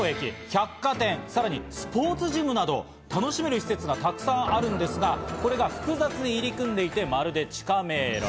百貨店さらにスポーツジムなど楽しめる施設がたくさんあるんですが、これが複雑に入り組んでいて、まさに地下迷路。